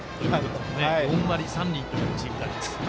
４割３厘というチーム打率。